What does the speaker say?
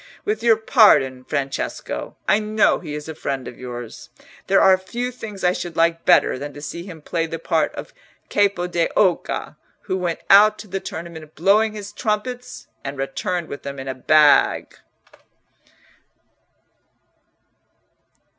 With your pardon, Francesco—I know he is a friend of yours—there are few things I should like better than to see him play the part of Capo d'Oca, who went out to the tournament blowing his trumpets and returned with them in a bag."